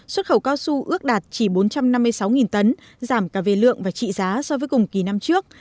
xuất khẩu cao su ước đạt chỉ bốn trăm năm mươi sáu tấn giảm cả về lượng và trị giá so với cùng kỳ năm trước